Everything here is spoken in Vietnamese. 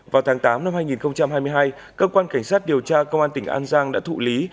vào tháng tám năm hai nghìn hai mươi hai cơ quan cảnh sát điều tra công an tỉnh an giang đã thụ lý